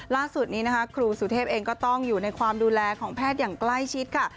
ล่าสุดนี้นะคะครูสุเทพเองก็ต้องอยู่ในความดูแลของแพทย์อย่างใกล้ชิดค่ะ